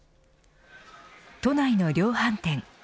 都内の量販店。